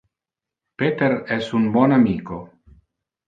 Peter es un bon amico.